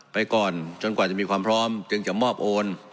ไปก่อนตามจะมีความพร้อมก็จะมอบโอน